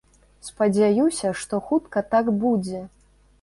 Спадзяюся, што хутка так будзе.